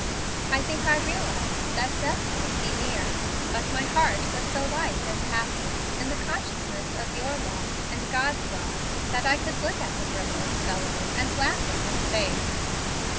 I think I realized that death might be near, but my heart was so light and happy in the consciousness of your love and God's love, that I could look at the grim old fellow, and laugh in his face.